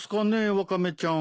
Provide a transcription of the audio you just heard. ワカメちゃん。